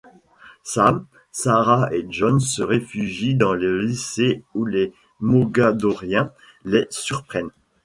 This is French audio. Sam, Sarah et John se réfugient dans le lycée où les Mogadoriens les surprennent.